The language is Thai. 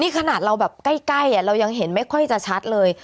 ขนาดเราแบบใกล้เรายังเห็นไม่ค่อยจะชัดเลย